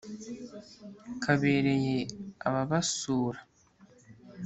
kabereye ababasuura